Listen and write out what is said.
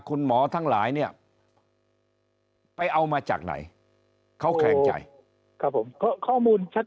คุณหมอทั้งหลายเนี่ยไปเอามาจากไหนเขาแขลงใจครับผมข้อมูลชัด